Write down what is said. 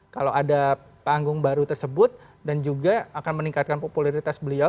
kalau ada panggung baru tersebut dan juga akan meningkatkan popularitas beliau